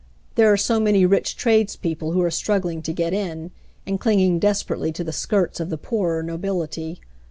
There are so many rich tradespeople who are struggling to get in, and clinging desperately to the skirts of the poorer nobility.